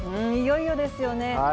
いよいよですよね。